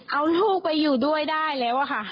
เอาลูกไปอยู่ด้วยได้แล้วอะค่ะ